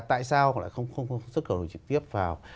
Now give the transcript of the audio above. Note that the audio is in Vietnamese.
tại sao họ lại không xuất khẩu được trực tiếp vào